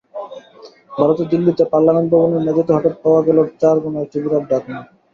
ভারতের দিল্লিতে পার্লামেন্ট ভবনের মেঝেতে হঠাৎ পাওয়া গেল চারকোনা একটা বিরাট ঢাকনা।